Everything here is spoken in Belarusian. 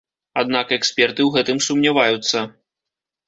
Аднак эксперты ў гэтым сумняваюцца.